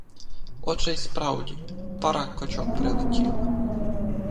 Отже й справді, пара качок прилетіла.